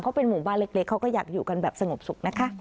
เขาเป็นหมู่บ้านเล็กเขาก็อยากอยู่กันแบบสงบสุขนะคะ